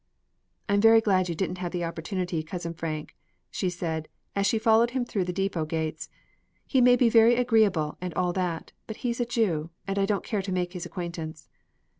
"I'm very glad you didn't have the opportunity, Cousin Frank," she said, as she followed him through the depot gates. "He may be very agreeable, and all that, but he's a Jew, and I don't care to make his acquaintance."